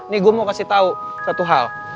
nih gue mau kasih tau satu hal